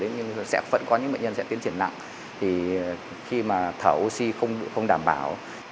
nhưng vẫn có những bệnh nhân sẽ tiến triển nặng thì khi mà thở oxy không đảm bảo